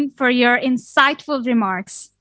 atas ulasan yang menarik